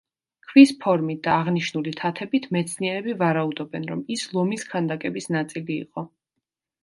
ქვის ფორმით და აღნიშნული თათებით მეცნიერები ვარაუდობენ რომ ის ლომის ქანდაკების ნაწილი იყო.